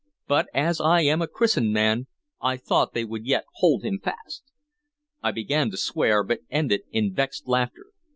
But, as I am a christened man, I thought that they would yet hold him fast!" I began to swear, but ended in vexed laughter.